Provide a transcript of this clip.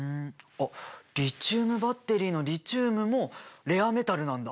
あっリチウムバッテリーのリチウムもレアメタルなんだ。